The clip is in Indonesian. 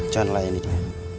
janganlah ini dia